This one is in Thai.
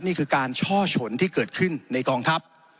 นี่คือการช่อฉนที่เกิดขึ้นในกองทัพ